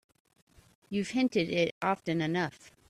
You've hinted it often enough.